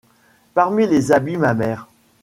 Parmi les abîmes amers